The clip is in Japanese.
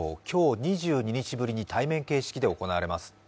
今日、２２日ぶりに対面形式で行われます。